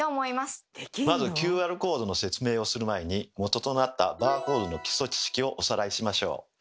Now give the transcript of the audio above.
まずＱＲコードの説明をする前にもととなったバーコードの基礎知識をおさらいしましょう。